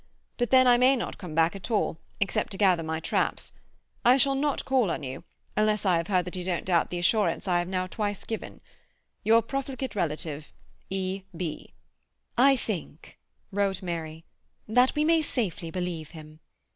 But then I may not come back at all, except to gather my traps. I shall not call on you, unless I have heard that you don't doubt the assurance I have now twice given.—Your profligate relative, E. B." "I think," wrote Mary, "that we may safely believe him.